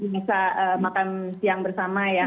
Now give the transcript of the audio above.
bisa makan siang bersama ya